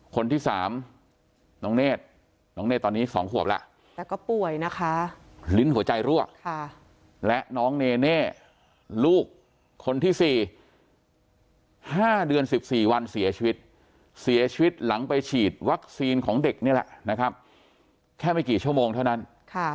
คนที่๓น้องเนธน้องเนธตอนนี้๒ขวบแล้วแต่ก็ป่วยนะคะลิ้นหัวใจรั่วและน้องเนเน่ลูกคนที่๔๕เดือน๑๔วันเสียชีวิตเสียชีวิตหลังไปฉีดวัคซีนของเด็กนี่แหละนะครับแค่ไม่กี่ชั่วโมงเท่านั้น